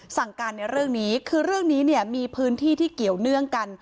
สั่งการในเรื่องนี้คือเรื่องนี้เนี่ยมีพื้นที่ที่เกี่ยวเนื่องกัน